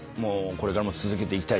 これからも続けていきたい